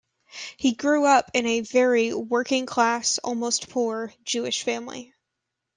He grew up in a "very working-class, almost poor" Jewish family.